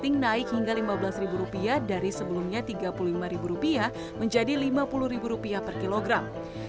rating naik hingga lima belas rupiah dari sebelumnya tiga puluh lima rupiah menjadi lima puluh rupiah per kilogram